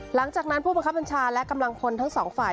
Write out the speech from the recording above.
หลังจากนั้นผู้บังคับบัญชาและกำลังพลทั้งสองฝ่าย